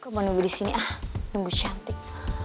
aku mau nunggu di sini ah nunggu cantik